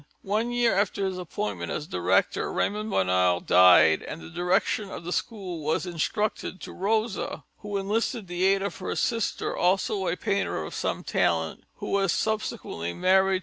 One year after his appointment as director, Raymond Bonheur died and the direction of the school was instructed to Rosa, who enlisted the aid of her sister, also a painter of some talent, who was subsequently married to M.